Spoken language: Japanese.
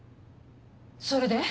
それで？